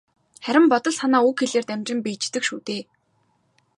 Харин бодол санаа үг хэлээр дамжин биеждэг шүү дээ.